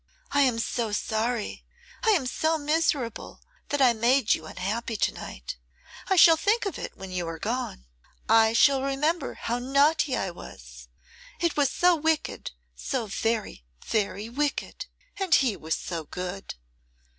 I am so sorry, I am so miserable, that I made you unhappy to night. I shall think of it when you are gone. I shall remember how naughty I was. It was so wicked, so very, very wicked; and he was so good.